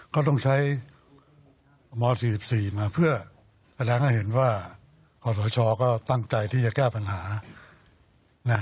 ก็ต้องใช้ม๔๔มาเพื่อแสดงให้เห็นว่าขอสชก็ตั้งใจที่จะแก้ปัญหา